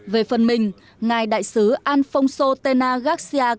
về phần mình ngài đại sứ alfonso tena garcia cárdenas